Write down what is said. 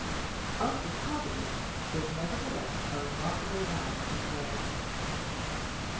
Alfred Hardyman was nevertheless a remarkable man in his way.